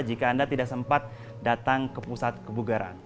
jika anda tidak sempat datang ke pusat kebugaran